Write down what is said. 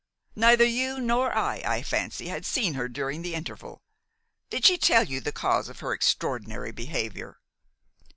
Neither you nor I, I fancy, had seen her during the interval. Did she tell you the cause of her extraordinary behavior?"